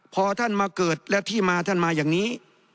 พอท่านมาเกิดและที่มาท่านมาอย่างนี้